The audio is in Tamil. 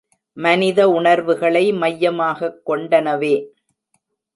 மனித உணர்வுகளை மையமாகக் கொண்டனவே.